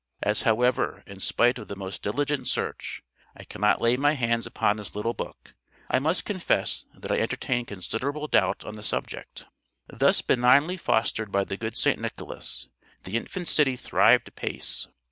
As however, in spite of the most diligent search, I cannot lay my hands upon this little book, I must confess that I entertain considerable doubt on the subject. Thus benignly fostered by the good St. Nicholas, the infant city thrived apace.